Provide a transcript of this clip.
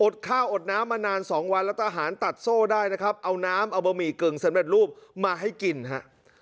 ข้าวอดน้ำมานานสองวันแล้วทหารตัดโซ่ได้นะครับเอาน้ำเอาบะหมี่กึ่งสำเร็จรูปมาให้กินฮะ